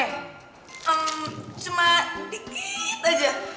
ehm cuma dikit aja